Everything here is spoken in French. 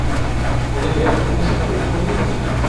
En effet, à commencer par le premier d’entre eux.